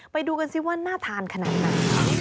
ไปดูกันสิว่าน่าทานขนาดไหน